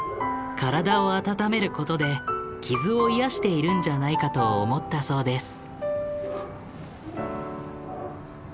体を温めることで傷を癒やしているんじゃないかと思ったそうです。